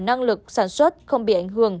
năng lực sản xuất không bị ảnh hưởng